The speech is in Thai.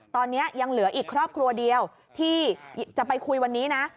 ตอนนี้ยังเหลืออีกครอบครัวเดียวที่จะไปคุยวันนี้นะ